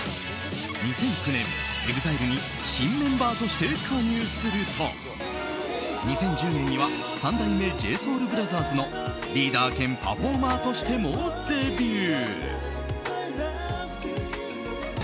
２００９年、ＥＸＩＬＥに新メンバーとして加入すると２０１０年には三代目ＪＳＯＵＬＢＲＯＴＨＥＲＳのリーダー兼パフォーマーとしてもデビュー。